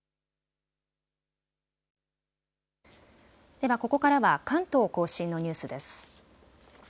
ではここからは関東甲信のニュースです。